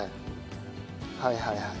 はいはいはい。